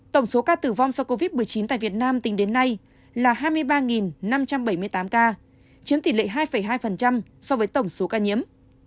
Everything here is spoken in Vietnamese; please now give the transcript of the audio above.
tổng số ca tử vong do covid một mươi chín tại việt nam tính đến nay là hai mươi ba năm trăm bảy mươi tám ca chiếm tỷ lệ hai hai so với tổng số ca nhiễm